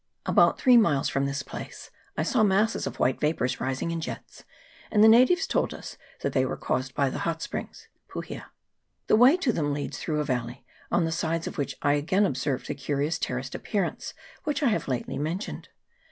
About three miles from this place I saw masses of white vapours rising in jets, and the natives told us that they were caused by the hot springs (puhia). The way to them leads through a valley, on the sides of which I again observed the curious terraced appearance which I have lately mentioned.